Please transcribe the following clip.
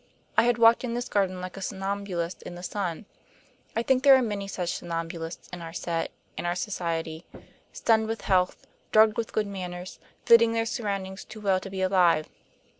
I had walked in this garden like a somnambulist in the sun. I think there are many such somnambulists in our set and our society; stunned with health, drugged with good manners, fitting their surroundings too well to be alive.